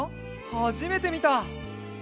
はじめてみた！